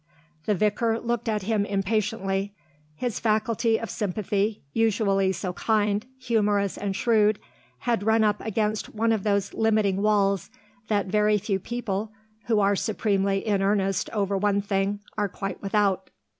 The vicar looked at him impatiently. His faculty of sympathy, usually so kind, humorous, and shrewd, had run up against one of those limiting walls that very few people who are supremely in earnest over one thing are quite without.